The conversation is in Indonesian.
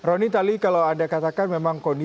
roni tali kalau anda katakan memang kondisi